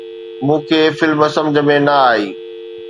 مون کي فلم سمجھ ۾ نه آئي